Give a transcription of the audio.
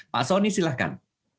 pak sonny silahkan